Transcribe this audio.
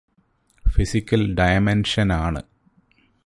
physical ഡയമെൻഷനാണ്